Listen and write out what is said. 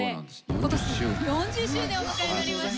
今年４０周年をお迎えになりました。